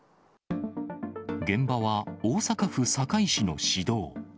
現場は大阪府堺市の市道。